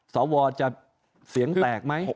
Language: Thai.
สวจะเสียงแตกไหม